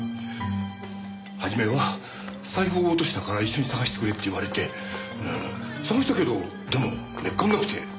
初めは「財布を落としたから一緒に捜してくれ」って言われて捜したけどでもめっかんなくて。